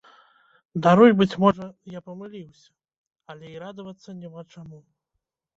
Даруй, быць можа, я памыліўся, але і радавацца няма чаму!